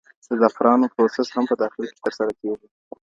د زعفرانو پروسس هم په داخل کې ترسره کېږي.